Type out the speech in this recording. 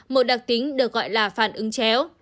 một đặc tính được gọi là phản ứng chéo